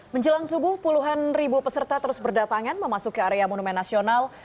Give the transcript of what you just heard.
menjelang subuh puluhan ribu peserta terus berdatangan memasuki area monumen nasional